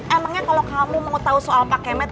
emangnya kalo kamu mau tau soal pak kemet